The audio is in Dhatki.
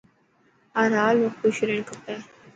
هر حال ۾ کوش رهڻ کپي.